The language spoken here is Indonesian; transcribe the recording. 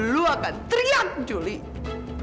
lu akan teriak julie